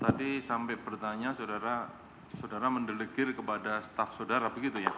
tadi sampai pertanyaan saudara saudara mendelegir kepada staff saudara begitu ya